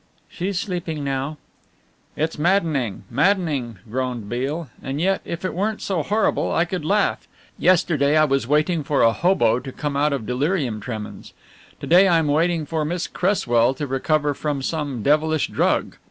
"She's sleeping now." "It's maddening, maddening," groaned Beale, "and yet if it weren't so horrible I could laugh. Yesterday I was waiting for a 'hobo' to come out of delirium tremens. To day I am waiting for Miss Cresswell to recover from some devilish drug.